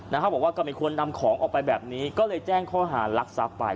เขาบอกว่าก็ไม่ควรนำของออกไปแบบนี้ก็เลยแจ้งข้อหารักทรัพย์ไป